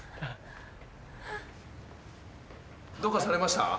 どうかされました？